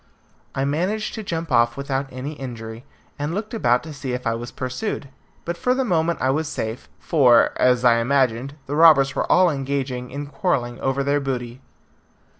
I managed to jump off without any injury, and looked about to see if I was pursued. But for the moment I was safe, for, as I imagined, the robbers were all engaged in quarrelling over their booty.